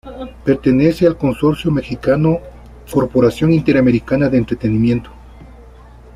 Pertenece al consorcio mexicano Corporación Interamericana de Entretenimiento.